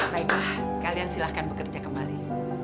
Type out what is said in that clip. baiklah kalian silahkan bekerja kembali